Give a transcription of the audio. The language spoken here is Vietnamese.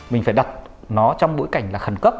mình phải đặt nó trong bối cảnh là khẩn cấp